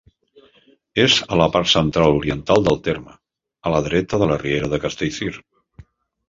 És a la part central-oriental del terme, a la dreta de la riera de Castellcir.